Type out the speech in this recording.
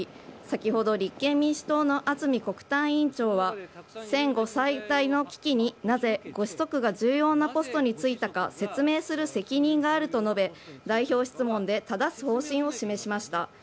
先ほど立憲民主党の安住国対委員長は戦後最大の危機になぜ、ご子息が重要なポストに就いたか説明する責任があると述べ代表質問でただす方針を示しました。